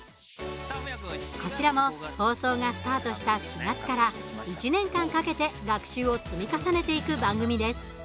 こちらも放送がスタートした４月から１年間かけて学習を積み重ねていく番組です。